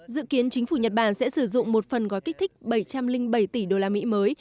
dự kiến chính phủ nhật bản sẽ sử dụng một phần gói kích thích bảy trăm linh bảy tỷ usd mới